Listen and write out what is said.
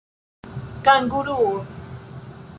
kanguruo